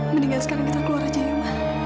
mendingan sekarang kita keluar aja ya ma